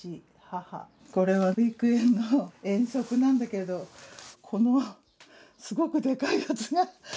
これは保育園の遠足なんだけどこのすごくでかいやつが私です。